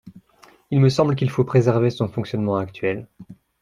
Il me semble qu’il faut préserver son fonctionnement actuel.